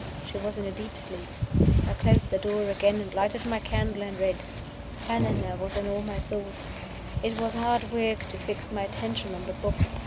She was in a deep sleep: I closed the door again and lighted my candle and read. Helena was in all my thoughts; it was hard work to fix my attention on the book.